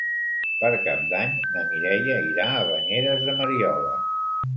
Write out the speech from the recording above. Per Cap d'Any na Mireia irà a Banyeres de Mariola.